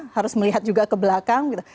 harus melihat juga ke belakang gitu